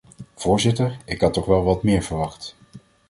Voorzitter, ik had toch wel wat meer verwacht!